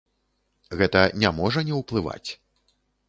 Гэта не можа не ўплываць.